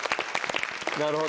なるほど。